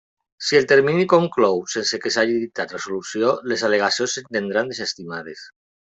Si el termini conclou sense que s'hagi dictat resolució, les al·legacions s'entendran desestimades.